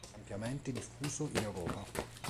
È ampiamente diffuso in Europa.